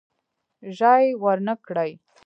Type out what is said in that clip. ژای ورنه کړي.